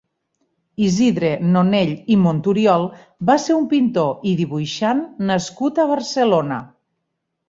Isidre Nonell i Monturiol va ser un pintor i dibuixant nascut a Barcelona.